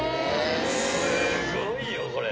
すごいよ、これ。